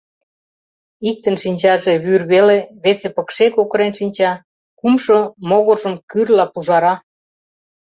Иктын шинчаже вӱр веле, весе — пыкше кокырен шинча, кумшо — могыржым кӱрла пужара...